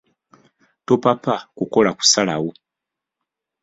Topapa kukola kusalawo.